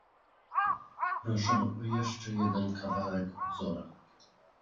"Proszę o jeszcze jeden kawałek ozora."